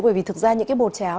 bởi vì thực ra những cái bột cháo